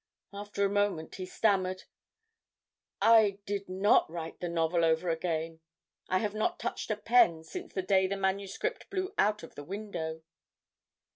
After a moment he stammered: "'I did not write the novel over again. I have not touched a pen since the day the manuscript blew out of the window.'